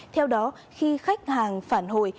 theo đó khi khách hàng phản hồi